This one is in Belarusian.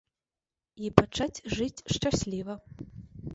І пачаць жыць шчасліва.